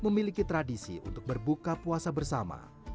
memiliki tradisi untuk berbuka puasa bersama